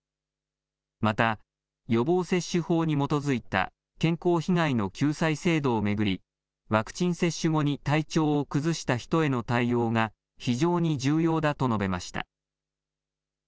また、予防接種法に基づいた健康被害の救済制度を巡り、ワクチン接種後に体調を崩した人への対応が非常に重要だと述べました。